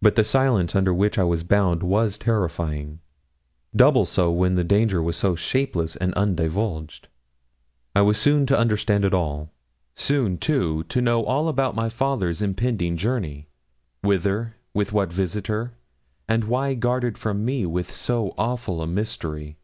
But the silence under which I was bound was terrifying double so when the danger was so shapeless and undivulged. I was soon to understand it all soon, too, to know all about my father's impending journey, whither, with what visitor, and why guarded from me with so awful a mystery.